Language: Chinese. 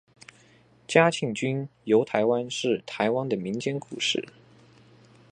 嘉庆君游台湾是台湾的民间故事。